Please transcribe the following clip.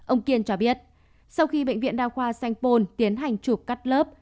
ông kiên cho biết sau khi bệnh viện đa khoa sanh pôn tiến hành chụp cắt lớp